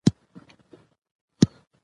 منی د افغانستان د اقتصاد برخه ده.